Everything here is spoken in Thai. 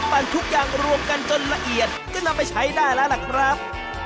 ทุกอย่างรวมกันจนละเอียดก็นำไปใช้ได้แล้วล่ะครับ